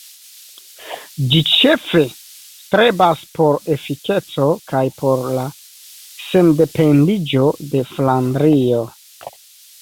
Ĝi ĉefe strebas por efikeco kaj por la sendependiĝo de Flandrio.